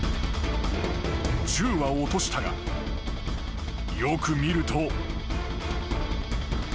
［銃は落としたがよく見ると］